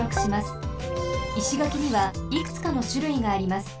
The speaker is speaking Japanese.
石垣にはいくつかのしゅるいがあります。